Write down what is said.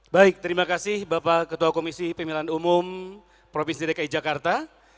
baik terima kasih bapak ketua komisi pemilihan umum provinsi dki jakarta